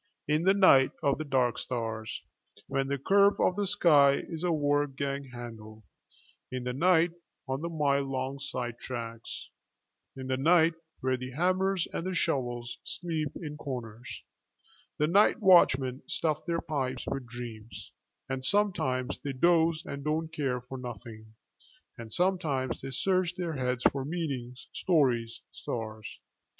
In the night of the dark starswhen the curve of the sky is a work gang handle, in the night on the mile long sidetracks, in the night where the hammers and shovels sleep in corners, the night watchmen stuff their pipes with dreams—and sometimes they doze and don't care for nothin',and sometimes they search their heads for meanings, stories, stars.